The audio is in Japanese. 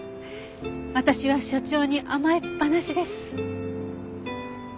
私は所長に甘えっぱなしです。